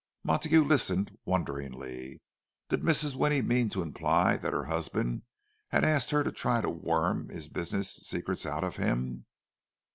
Montague listened, wonderingly. Did Mrs. Winnie mean to imply that her husband had asked her to try to worm his business secrets out of him?